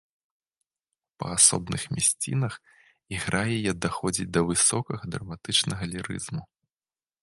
У паасобных мясцінах ігра яе даходзіць да высокага драматычнага лірызму.